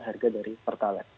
harga dari pertalat